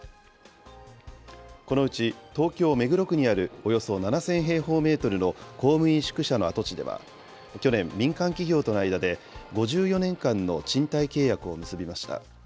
このうち東京・目黒区にあるおよそ７０００平方メートルの公務員宿舎の跡地では、去年、民間企業との間で、５４年間の賃貸契約を結びました。